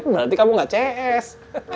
berarti kamu gak cs